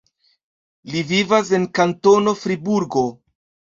Li vivas en Kantono Friburgo.